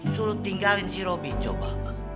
suruh tinggalin si roby coba